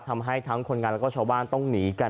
ทำให้ทั้งคนงานแล้วก็ชาวบ้านต้องหนีกัน